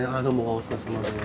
お疲れさまです。